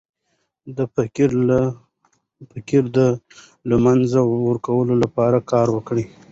د فقر د له منځه وړلو لپاره کار وکړئ.